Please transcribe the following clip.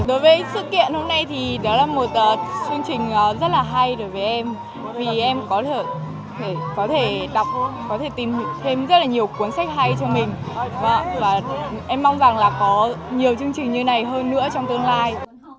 đối với sự kiện hôm nay thì đó là một chương trình rất là hay đối với em vì em có thể có thể đọc có thể tìm thêm rất là nhiều cuốn sách hay cho mình và em mong rằng là có nhiều chương trình như này hơn nữa trong tương lai